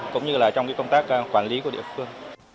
cũng như là trong cái công tác quản lý của bà con